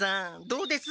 どうです？